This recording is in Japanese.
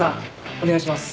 お願いします。